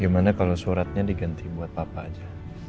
gimana kalau suratnya diganti buat papa aja